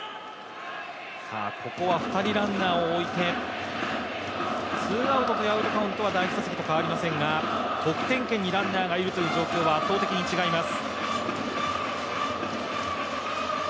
ここは二人ランナーをおいて、ツーアウトと第１打席と変わりませんが、得点圏にランナーがいるという状況は圧倒的に違います。